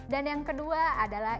dan yang kedua adalah